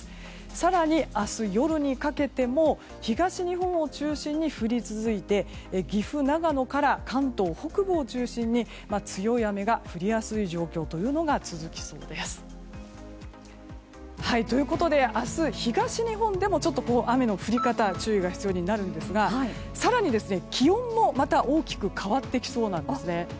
更に明日夜にかけても東日本を中心に降り続いて岐阜、長野から関東北部を中心に強い雨が降りやすい状況が続きそうです。ということで、明日東日本でも雨の降り方に注意が必要になるんですが更に気温もまた大きく変わってきそうなんです。